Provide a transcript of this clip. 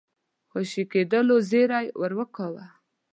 خوشي کېدلو زېری ورکاوه.